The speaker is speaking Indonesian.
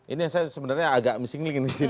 ini yang saya sebenarnya agak missing link